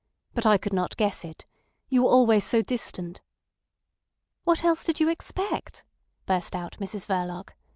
But I could not guess it. You were always so distant. ..." "What else did you expect?" burst out Mrs Verloc.